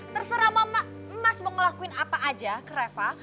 terserah mas mau ngelakuin apa aja ke reva